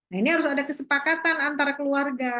nah ini harus ada kesepakatan antara keluarga